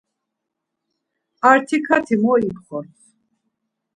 Artikati mo ipxort.